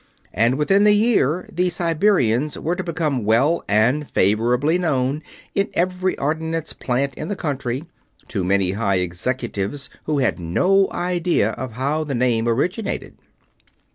And within the year the Siberians were to become well and favorably known in every ordnance plant in the country, to many high executives who had no idea of how the name originated.